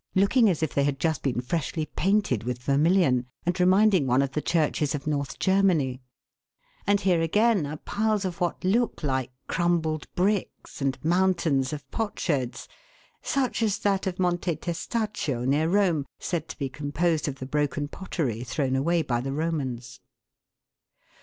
looking as if they had just been freshly painted with vermilion, and reminding one of the churches of North Germany, and here again are piles of what look like crumbled bricks and mountains of potsherds, such as that of Monte Testaccio, near Rome, said to be composed of the broken pottery thrown away by the Romans.